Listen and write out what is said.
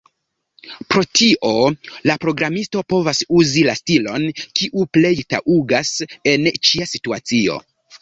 Pro tio, la programisto povas uzi la stilon, kiu plej taŭgas en ĉia situacio.